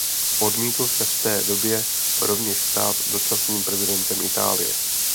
Odmítl se v té době rovněž stát dočasným prezidentem Itálie.